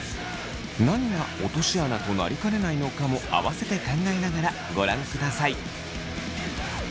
何が落とし穴となりかねないのかも合わせて考えながらご覧ください。